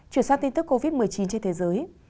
chuyển sang tin tức covid một mươi chín trên thế giới